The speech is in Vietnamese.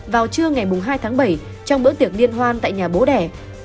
vào trưa ngày hai tháng bảy trong bữa tiệc liên hoan tại nhà bố đẻ